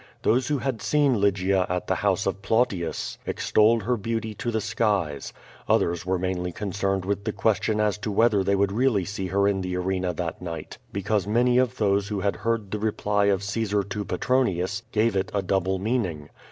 Those who had seen Lygia at the house of Plautius extolled her beauty to the skies. Others were mainly concerned with the question as to whether they would really see her in the arena that night, l)ecause many of those who had heard the reply of Caesar to Petronius gave it a double meaning.